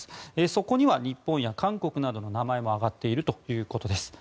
そこには日本や韓国などの名前も挙がっているということです。